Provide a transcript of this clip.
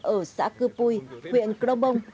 ở xã cư pui huyện crombong